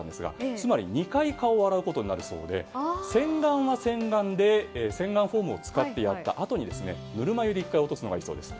つまり２回顔を洗うことになるそうで洗顔は洗顔で洗顔フォームを使ってやったあとにぬるま湯で１回、落とすのがいいそうです。